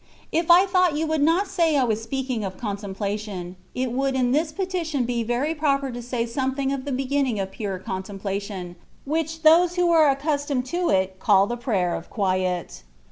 If I thought you would not say I was speaking of contemplation, it would in this petition be very proper to say something of the beginning of pure contemplation, which those who are accustomed to it call the Prayer of Quiet.